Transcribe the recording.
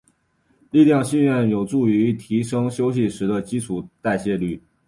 力量训练有助于提升休息时的基础代谢率。